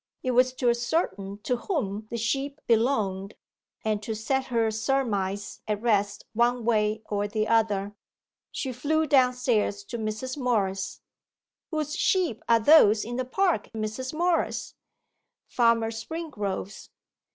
It was to ascertain to whom the sheep belonged, and to set her surmise at rest one way or the other. She flew downstairs to Mrs. Morris. 'Whose sheep are those in the park, Mrs. Morris?' 'Farmer Springrove's.